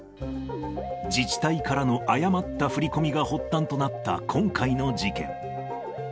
自治体からの誤った振り込みが発端となった今回の事件。